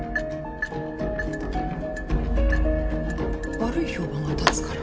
悪い評判が立つから？